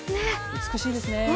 美しいですね。